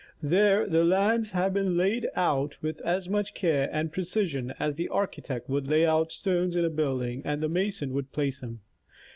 There the lands have been laid out with as much care and precision as the architect would lay out the stones in a build ing and the mason would place them.